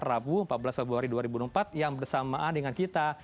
rabu empat belas februari dua ribu empat yang bersamaan dengan kita